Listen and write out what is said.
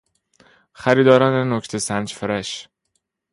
خریداران نکته سنج فرش